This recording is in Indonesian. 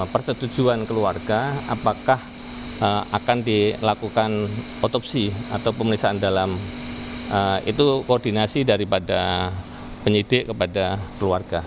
persetujuan keluarga apakah akan dilakukan otopsi atau pemeriksaan dalam itu koordinasi daripada penyidik kepada keluarga